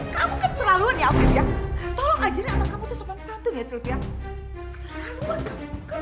kamu keterlaluan ya silvia tolong ajarin anak kamu tuh sopan satu ya silvia keterlaluan kamu